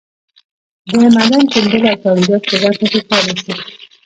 د معدن کیندلو او تولیداتو په برخه کې کار وشو.